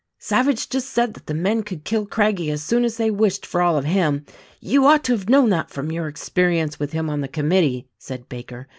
"Savage just said that the men could kill Craggie as soon as they wished, for all of him. You ought to have known that from your experience with him on the commit tee," said Baker.